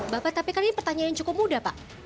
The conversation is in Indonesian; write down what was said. bapak tapi kan ini pertanyaan yang cukup mudah pak